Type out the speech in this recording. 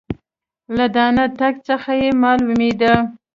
له درانه تګ څخه یې مالومېدل .